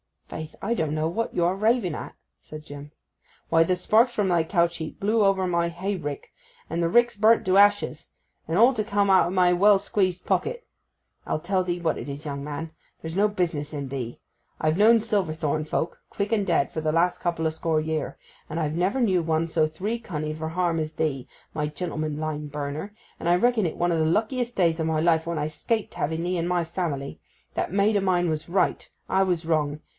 'Faith, I don't know what you are raving at,' said Jim. 'Why—the sparks from thy couch heap blew over upon my hay rick, and the rick's burnt to ashes; and all to come out o' my well squeezed pocket. I'll tell thee what it is, young man. There's no business in thee. I've known Silverthorn folk, quick and dead, for the last couple o' score year, and I've never knew one so three cunning for harm as thee, my gentleman lime burner; and I reckon it one o' the luckiest days o' my life when I 'scaped having thee in my family. That maid of mine was right; I was wrong.